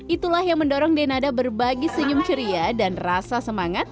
itulah yang mendorong denada berbagi senyum ceria dan rasa semangat